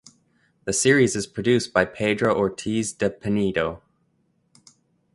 The series is produced by Pedro Ortiz de Pinedo.